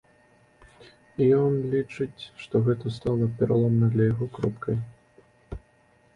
Ён лічыць, што гэта стала пераломнай для яго кропкай.